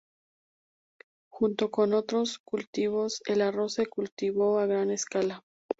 Junto con otros cultivos, el arroz se cultivó a gran escala.